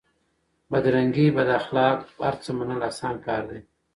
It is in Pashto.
بدرنګي بداخلاق هرڅه منل اسان کار دی؛